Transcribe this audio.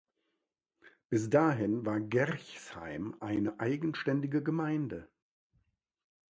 Bis dahin war Gerchsheim eine eigenständige Gemeinde.